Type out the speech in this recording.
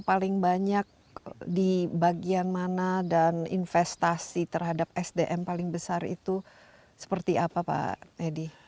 paling banyak di bagian mana dan investasi terhadap sdm paling besar itu seperti apa pak edi